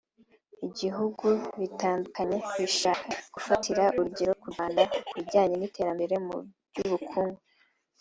Ibihugu bitandukanye bishaka gufatira urugero ku Rwanda ku bijyanye n’iterambere mu by’ubukungu